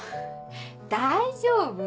大丈夫！